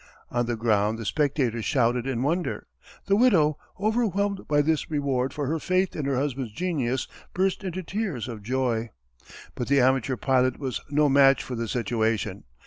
On the ground the spectators shouted in wonder; the widow, overwhelmed by this reward for her faith in her husband's genius, burst into tears of joy. But the amateur pilot was no match for the situation.